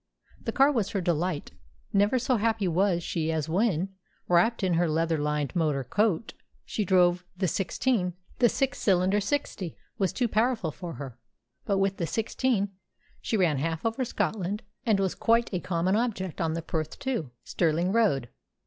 The car was her delight. Never so happy was she as when, wrapped in her leather lined motor coat, she drove the "sixteen." The six cylinder "sixty" was too powerful for her, but with the "sixteen" she ran half over Scotland, and was quite a common object on the Perth to Stirling road.